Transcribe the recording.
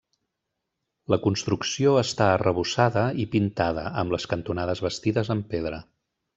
La construcció està arrebossada i pintada, amb les cantonades bastides en pedra.